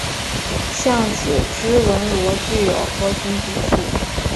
橡子织纹螺具有河鲀毒素。